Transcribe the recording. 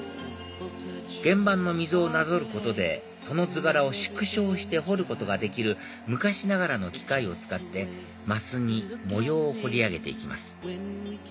原版の溝をなぞることでその図柄を縮小して彫ることができる昔ながらの機械を使って升に模様を彫り上げて行きます